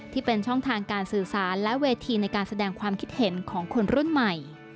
ที่เป็นช่องทางการสื่อสารและเวทีในการแสดงความคิดเห็นของคนรุ่นใหม่